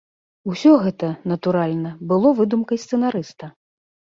Усё гэта, натуральна, было выдумкай сцэнарыста.